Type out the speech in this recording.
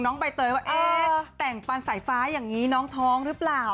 ใบเตยว่าเอ๊ะแต่งฟันสายฟ้าอย่างนี้น้องท้องหรือเปล่า